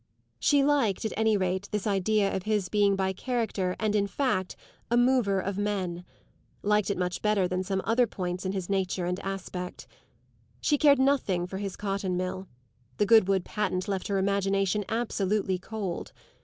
She liked at any rate this idea of his being by character and in fact a mover of men liked it much better than some other points in his nature and aspect. She cared nothing for his cotton mill the Goodwood patent left her imagination absolutely cold.